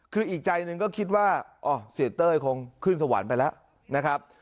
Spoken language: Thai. คืออีกใจหนึ่งก็คิดว่าเสียเต้ยคงขึ้นสวรรค์ไปแล้วนะครับ